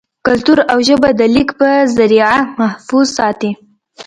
کلتور او ژبه دَليک پۀ زريعه محفوظ ساتي